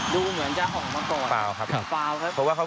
ดูเหมือนจะออกมาก่อน